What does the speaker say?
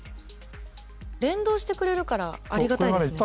連動してくれるからありがたいですね。